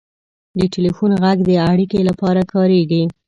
• د ټلیفون ږغ د اړیکې لپاره کارېږي.